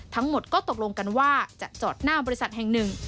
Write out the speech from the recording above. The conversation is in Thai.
ทั้งหมดก็ตกลงกันว่าจะจอดหน้าบริษัทแห่งหนึ่ง